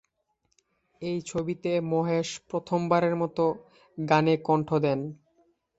এই ছবিতে মহেশ প্রথমবারের মত গানে কন্ঠ দেন।